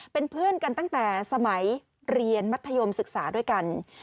เป็นเพื่อนกันตั้งแต่สมัยเรียนมัธยมศึกษาด้วยกัน